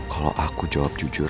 kalau aku jawab jujur